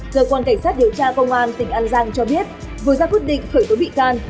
cơ quan cảnh sát điều tra công an tỉnh an giang cho biết vừa ra quyết định khởi tố bị can